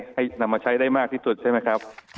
ให้นำมาใช้ได้มากที่สุดใช่ไหมครับ